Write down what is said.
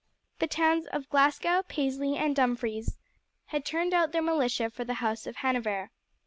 The towns of Glasgow, Paisley, and Dumfries had turned out their militia for the house of Hanover.